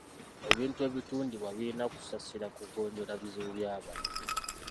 Ebintu ebitundibwa birina kussa ssira ku kugonjoola bizibu by'abantu.